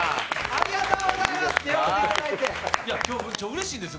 ありがとうございます。